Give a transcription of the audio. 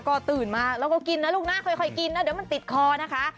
ก็ตื่นมาแล้วก็กินนะลูกนะค่อยกินนะเดี๋ยวมันติดคอนะคะ